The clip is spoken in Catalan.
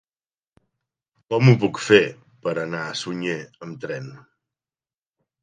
Com ho puc fer per anar a Sunyer amb tren?